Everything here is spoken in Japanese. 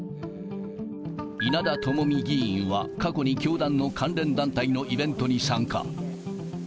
稲田朋美議員は、過去に教団の関連団体のイベントに参加。